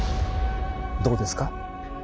どうですか？